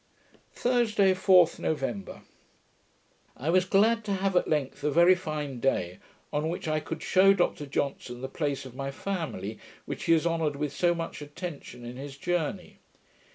Thursday, 4th November I was glad to have at length a very fine day, on which I could shew Dr Johnson the place of my family, which he has honoured with so much attention in his Journey.